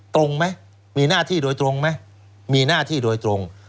ตรงไหมมีหน้าที่โดยตรงไหมมีหน้าที่โดยตรง